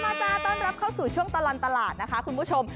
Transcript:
จ้าต้อนรับเข้าสู่ช่วงตลอดตลาดนะคะคุณผู้ชม